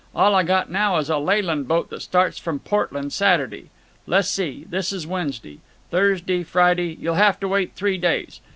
All I got now is a Leyland boat that starts from Portland Saturday. Le's see; this is Wednesday. Thursday, Friday—you'll have to wait three days.